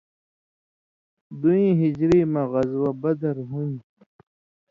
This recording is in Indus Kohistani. دُوئیں ہِجری مہ غزوہ بدر ہُون٘دیۡ۔